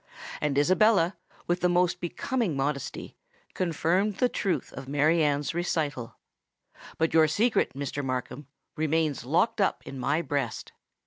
And Isabella, with the most becoming modesty, confirmed the truth of Mary Anne's recital. But your secret, Mr. Markham, remains locked up in my breast.